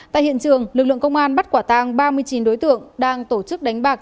tại hiện trường lực lượng công an bắt quả tang ba mươi chín đối tượng đang tổ chức đánh bạc